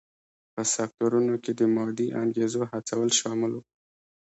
په سکتورونو کې د مادي انګېزو هڅول شامل و.